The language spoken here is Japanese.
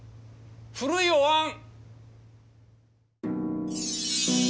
古いおわん！